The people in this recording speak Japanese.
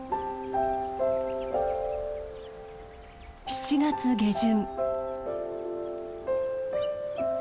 ７月下旬。